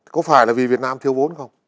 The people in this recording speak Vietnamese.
có phải là vì việt nam thiêu vốn không